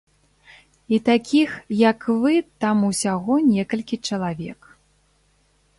І такіх, як вы там усяго некалькі чалавек.